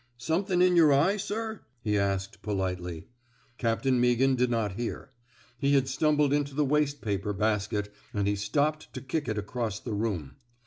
'^ Somethin' in yer eye, sir? " he asked, politely. Captain Meaghan did not hear. He had stumbled into the waste paper basket, and he stopped to kick it across the room.